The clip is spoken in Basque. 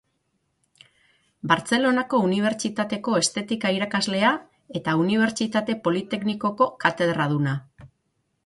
Bartzelonako Unibertsitateko estetika-irakaslea eta Unibertsitate Politeknikoko katedraduna.